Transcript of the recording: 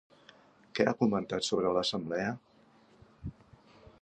Què ha comentat sobre l'assemblea?